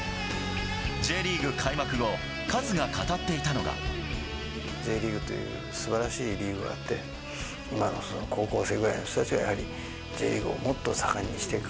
Ｊリーグ開幕後、Ｊリーグというすばらしいリーグがあって、今の高校生ぐらいの人たちが、やはりＪリーグをもっと盛んにしていく。